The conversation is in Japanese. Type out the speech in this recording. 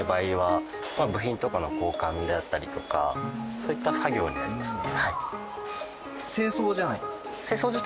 そういった作業になりますね。